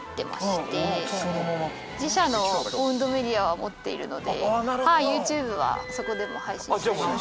自社のオウンドメディアを持っているのでＹｏｕＴｕｂｅはそこでも配信しています。